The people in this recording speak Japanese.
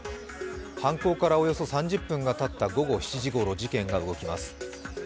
犯行からおよそ３０分がたった午後７時ごろ、事件が動きます。